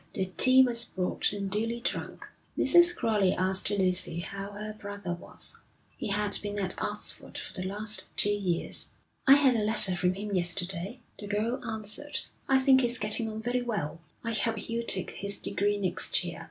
The tea was brought and duly drunk. Mrs. Crowley asked Lucy how her brother was. He had been at Oxford for the last two years. 'I had a letter from him yesterday,' the girl answered. 'I think he's getting on very well. I hope he'll take his degree next year.'